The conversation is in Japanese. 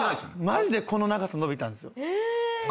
マジでこの長さ伸びたんですよ。